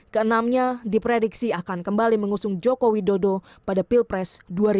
keenamnya diprediksi akan kembali mengusung joko widodo pada pilpres dua ribu sembilan belas